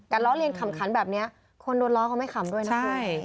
ล้อเลียนขำขันแบบนี้คนโดนล้อเขาไม่ขำด้วยนะคุณ